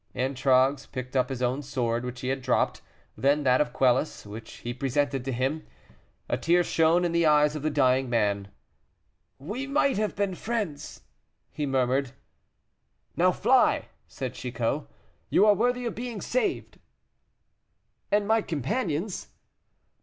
Antragues picked up his own sword, which he had dropped, then that of Quelus, which he presented to him. A tear shone in the eyes of the dying man. "We might have been friends," he murmured. "Now fly," said Chicot; "you are worthy of being saved." "And my companions?"